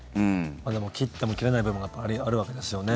切っても切れない部分があるわけですよね。